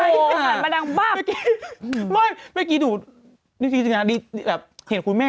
เอาเจ๊ช่วยพี่หนุ่มตอนพี่หนุ่มกำลังพูด